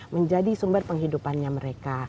menjadi sumber penghidupannya mereka